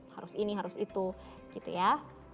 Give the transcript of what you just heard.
harus ini harus itu gitu ya